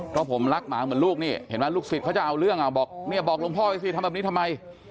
เพราะผมรักหมาเหมือนลูกนี่เห็นไหมลูกศิษย์เขาจะเอาเรื่องอ่ะบอกเนี่ยบอกหลวงพ่อไปสิทำแบบนี้ทำไม